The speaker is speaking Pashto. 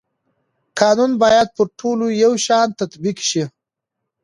قانون باید پر ټولو یو شان تطبیق شي